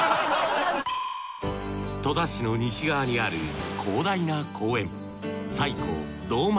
戸田市の西側にある広大な公園